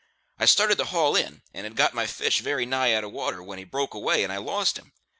I started to haul in, and had got my fish very nigh out of water, when he broke away, and I lost him.